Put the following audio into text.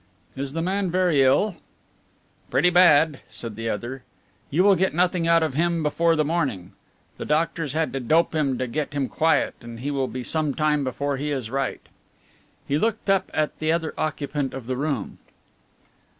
"Is the man very ill?" "Pretty bad," said the other, "you will get nothing out of him before the morning. The doctors had to dope him to get him quiet, and he will be some time before he is right." He looked up at the other occupant of the room.